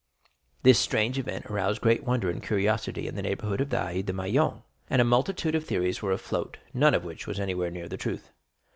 This strange event aroused great wonder and curiosity in the neighborhood of the Allées de Meilhan, and a multitude of theories were afloat, none of which was anywhere near the truth.